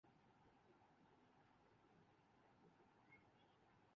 جو اس کا ساتھی بن جاتا ہے